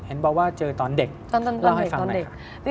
เห็นบอกว่าเจอตอนเด็กเล่าให้ฟังหน่อยค่ะ